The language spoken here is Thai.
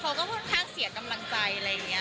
เขาก็ค่อนข้างเสียกำลังใจอะไรอย่างนี้